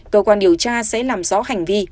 cơ quan điều tra sẽ làm rõ hành vi